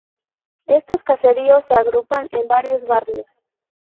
Estos caseríos se agrupan en varios barrios.